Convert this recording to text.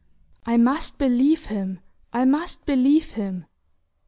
"I must believe him...I must believe him..."